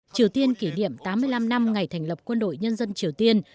triều tiên kỷ niệm tám mươi năm năm ngày thành lập quân đội nhân dân triều tiên